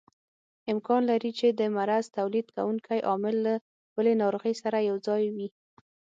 امکان لري چې د مرض تولید کوونکی عامل له بلې ناروغۍ سره یوځای وي.